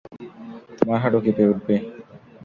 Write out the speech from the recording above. তোমার হাঁটু কেঁপে উঠবে।